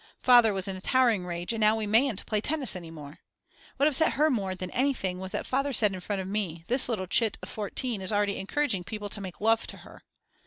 Father was in a towering rage and now we mayn't play tennis any more. What upset her more than anything was that Father said in front of me: This little chit of 14 is already encouraging people to make love to her.